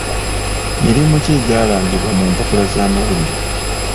Mirimu ki egyalangibwa mu mpapula z'amawulire?